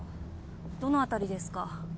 あどの辺りですか？